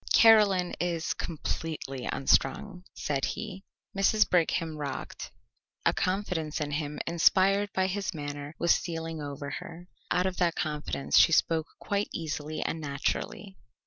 "Caroline is completely unstrung," said he. Mrs. Brigham rocked. A confidence in him inspired by his manner was stealing over her. Out of that confidence she spoke quite easily and naturally.